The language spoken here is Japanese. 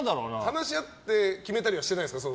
話し合って決めたりしてないですか？